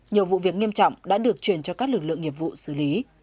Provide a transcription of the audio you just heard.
nhiều vụ việc nghiêm trọng đã được truyền cho các lực lượng nghiệp vụ xử lý